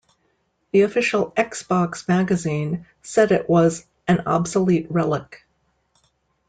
The Official Xbox Magazine said it was "an obsolete relic".